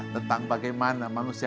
tentang bagaimana manusia